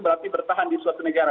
berarti bertahan di suatu negara